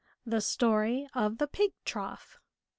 THE STORY OF THE PIG TROUGH.